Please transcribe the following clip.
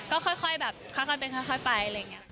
ก็ค่อยแบบค่อยไป